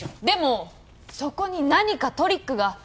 でもそこに何かトリックが。